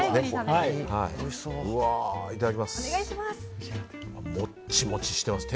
いただきます。